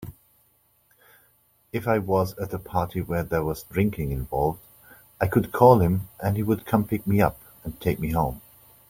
If I was at a party where there was drinking involved, I could call him and he would come pick me up and take me home.